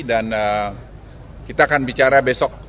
dan kita akan bicara besok